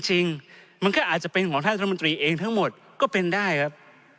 จริงมันก็อาจจะเป็นของท่านรัฐมนตรีเองทั้งหมดก็เป็นได้ครับ